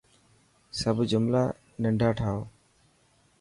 سب جملا ننڊا ٺائو.